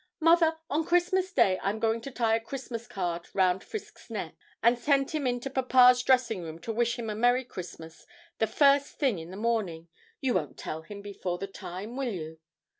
Mother, on Christmas Day I'm going to tie a Christmas card round Frisk's neck, and send him into papa's dressing room to wish him a Merry Christmas, the first thing in the morning you won't tell him before the time, will you?'